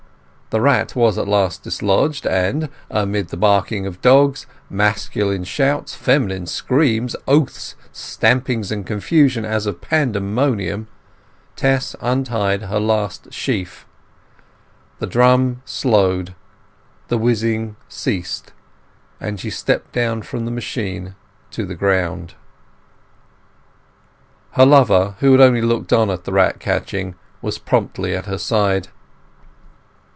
The rat was at last dislodged, and, amid the barking of dogs, masculine shouts, feminine screams, oaths, stampings, and confusion as of Pandemonium, Tess untied her last sheaf; the drum slowed, the whizzing ceased, and she stepped from the machine to the ground. Her lover, who had only looked on at the rat catching, was promptly at her side.